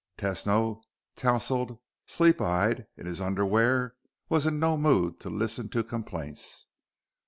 Tesno, tousled, sleep eyed, in his underwear, was in no mood to listen to complaints.